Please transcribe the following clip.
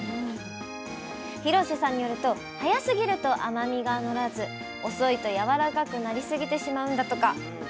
廣瀬さんによると早すぎると甘みがのらず遅いとやわらかくなりすぎてしまうんだとか。